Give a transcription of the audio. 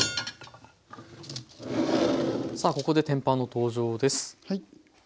さあここで天板の登場です。